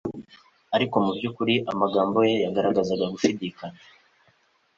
ariko mu by'ukuri amagambo ye yagaragazaga ugushidikanya.